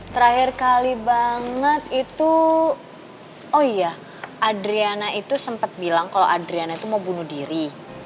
terakhir kali banget itu oh iya adriana itu sempat bilang kalau adriana itu mau bunuh diri